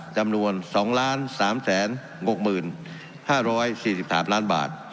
จำนวน๒๓๖๕๔๓ล้านบาท